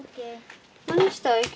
何したい？